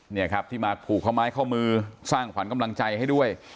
เนี่ยครับที่มาผูกข้อไม้ข้อมือสร้างขวัญกำลังใจให้ด้วย